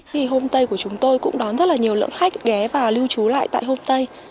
hôm tây của chúng tôi cũng đón rất nhiều lượng khách ghé và lưu trú lại tại hôm tây